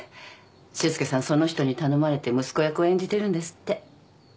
修介さんその人に頼まれて息子役を演じてるんですって。